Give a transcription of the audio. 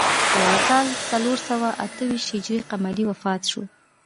په کال څلور سوه اته ویشت هجري قمري وفات شو.